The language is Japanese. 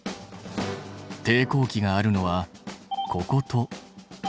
抵抗器があるのはこことここ。